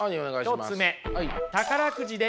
１つ目。